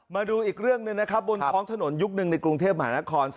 มาดูอีกเรื่องหนึ่งนะครับบนท้องถนนยุคหนึ่งในกรุงเทพมหานคร